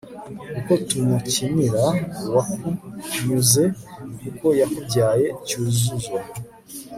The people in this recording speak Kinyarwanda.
uko tumukinira uwakunyuze kuko yakubyaye cyuzuzo